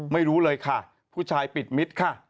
ไม่รู้เลยค่ะผู้ชายปิดมิตรค่ะ